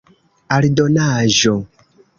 aldonaĵo